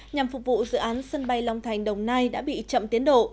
nhằm phục vụ dự án sân bay long thành đồng nai đã bị chậm tiến độ